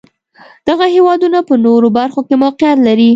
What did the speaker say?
دغه هېوادونه په نورو برخو کې موقعیت لري.